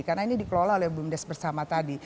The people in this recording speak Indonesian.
karena ini dikelola oleh bumdes bersama tadi